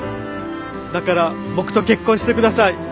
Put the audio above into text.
だから僕と結婚してください。